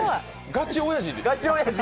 ガチおやじ？